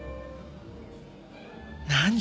何？